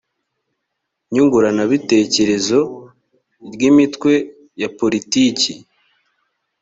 nyunguranabitekerezo ry imitwe ya politiki